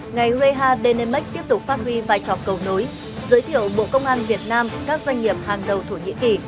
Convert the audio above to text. ngày reha denemec tiếp tục phát huy vai trò cầu nối giới thiệu bộ công an việt nam các doanh nghiệp hàng đầu thổ nhĩ kỳ